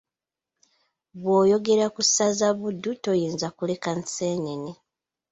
Bw’oyogera ku ssaza Buddu toyinza kuleka Nseenene.